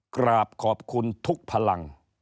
กราบขอบคุณทุกพลัง